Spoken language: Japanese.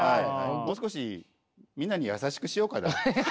もう少しみんなに優しくしようかな。